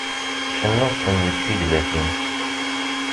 Cennuɣ-kem deg tizlatin.